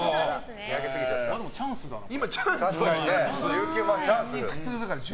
でもチャンスだ。